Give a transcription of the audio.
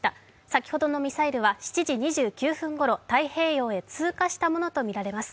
先ほどのミサイルは７時２９分ごろ、太平洋へ通過したとみられます。